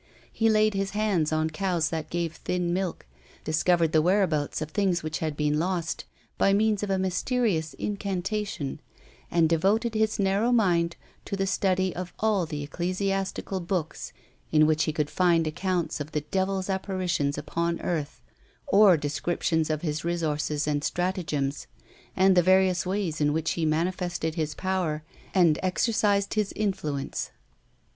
He laid his hands on cows that gave thin milk, discovered the whereabouts of things which had been lost by means of a mysterious incantation, and devoted his narrow mind to the study of all the ecclesiastical books in which he could find accounts of the devil's apparitions upon earth, or descriptions of his resources and stratagems, and the various ways in which he manifested his power and ex ercised his influence.